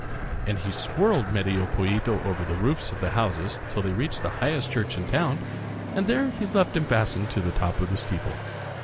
And he swirled Medio Pollito over the roofs of the houses till they reached the highest church in the town, and there he left him fastened to the top of the steeple.